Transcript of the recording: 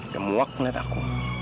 dia muak ngeliat aku